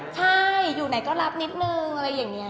ใช่อยู่ไหนก็รับนิดนึง